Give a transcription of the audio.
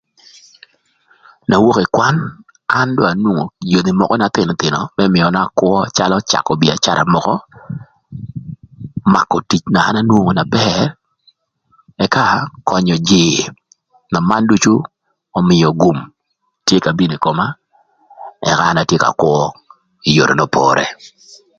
Na wok ï kwan, an do anwongo yodhi mökö na thïnöthïnö më mïöna calö mïö na cakö bïacara mökö, makö tic na an anwongo na bër, ëka könyö jïï na man ducu ömïö gum tye ka bino ï koma ëka an atye ka kwö ï yore n'opore.